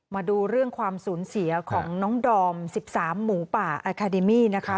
มาดูเรื่องความสูญเสียของน้องดอม๑๓หมูป่าอาคาเดมี่นะคะ